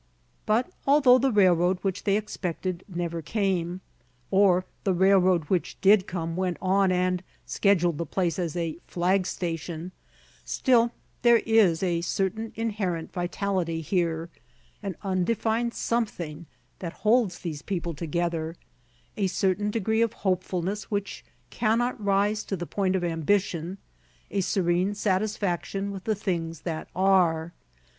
But although the railroad which they expected never came; or the railroad which did come went on and scheduled the place as a flag station; still, there is a certain inherent vitality here, an undefined something that holds these people together, a certain degree of hopefulness which cannot rise to the point of ambition, a serene satisfaction with the things that are.